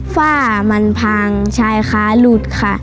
ฝ้ามันพังชายค้าหลุดค่ะ